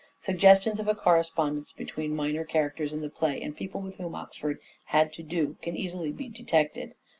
Suggestions of a correspondence between minor characters in the play and people with whom Oxford had to do can easily be detected.